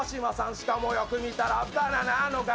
しかもよく見たらバナナの柄。